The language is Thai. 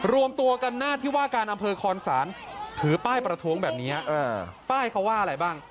รวมตัวกันหน้าที่ว่าการอำเภอคอนศาลถือป้ายประท้วงแบบนี้ป้ายเขาว่าอะไรบ้าง